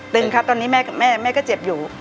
ตึงครับตอนนี้แม่กับแม่แม่ก็เจ็บอยู่